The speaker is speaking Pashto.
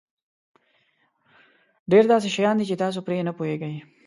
ډېر داسې شیان دي چې تاسو پرې نه پوهېږئ.